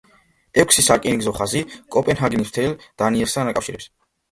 ექვსი სარკინიგზო ხაზი კოპენჰაგენს მთელს დანიასთან აკავშირებს.